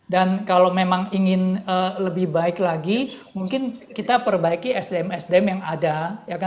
dan kalau memang ingin lebih baik lagi mungkin kita perbaiki sdm sdm yang ada